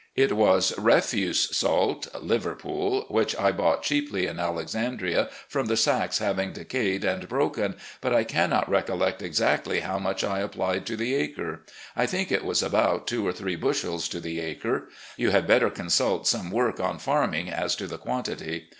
It was refuse salt — ^Liverpool — ^which I bought cheaply in Alexandria from the sacks having decayed and broken, but I cannot recollect exactly how much I applied to the acre. I t hink it was about two or three bushels to the acre. You had better consult some work on farming as to the quantity.